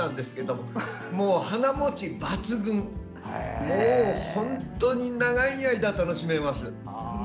もう本当に長い間楽しめます。